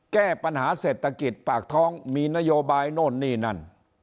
แก้ปัญหาเศรษฐกิจปากท้องมีนโยบายโน่นนี่นั่น